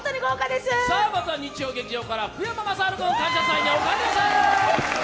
まずは日曜劇場から福山雅治君「感謝祭」にお帰りなさい！